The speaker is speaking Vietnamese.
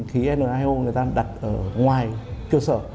khí nhio người ta đặt ở ngoài cơ sở